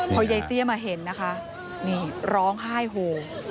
พอยายเตี้ยมาเห็นนะคะนี่ร้องไห้โห